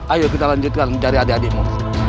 ayo kita lanjutkan cari adik adikmu